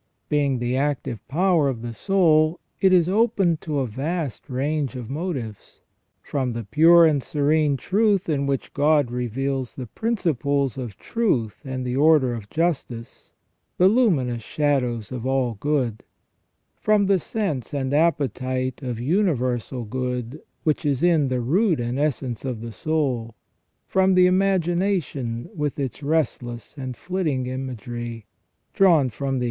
Being the active power of the soul, it is open to a vast range of motives, from the pure and serene truth in which God reveals the principles of truth and the order of justice, the luminous shadows of all good ; from the sense and appetite of universal good which is in the root and essence of the soul ; from the imagination with its restless and flitting imagery, drawn from the 2o8 ON JUSTICE AND MORAL EVIL.